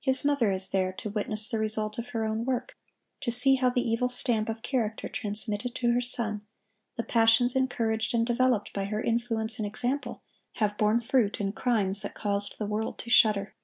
His mother is there to witness the result of her own work; to see how the evil stamp of character transmitted to her son, the passions encouraged and developed by her influence and example, have borne fruit in crimes that caused the world to shudder.